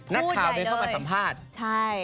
นักข่าวเดินเข้ามาสัมภาษณ์ใช่